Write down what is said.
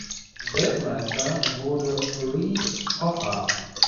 Weltmeister wurde Reese Hoffa.